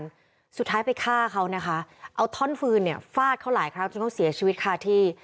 สามารถให้ไปฆ่าเขานะคะเอาท่อนฟื้นฟาดเข้าหลายครั้งจนทำเสียชีวิตค่าที่